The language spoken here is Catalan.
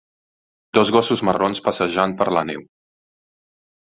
Dos gossos marrons passejant per la neu.